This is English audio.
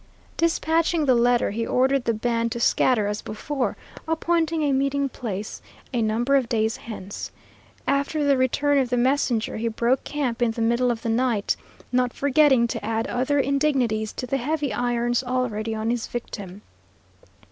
Dispatching the letter, he ordered the band to scatter as before, appointing a meeting place a number of days hence. After the return of the messenger, he broke camp in the middle of the night, not forgetting to add other indignities to the heavy irons already on his victim.